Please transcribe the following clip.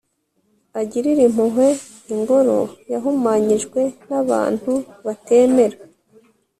agirire impuhwe ingoro yahumanyijwe n'abantu batemera